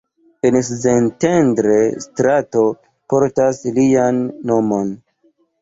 En Szentendre strato portas lian nomon.